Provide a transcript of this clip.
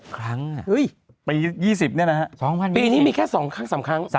ครั้งปี๒๐เนี่ยนะฮะปีนี้มีแค่๒ครั้ง๓ครั้ง